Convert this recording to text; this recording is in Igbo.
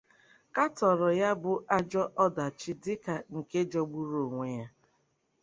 katọrọ ya bụ ajọ ọdachi dịka nke jọgburu onwe ya